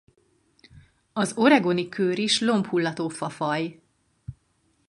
Az oregoni kőris lombhullató fafaj.